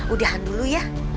udahan dulu ya